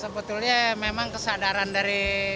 sebetulnya memang kesadaran dari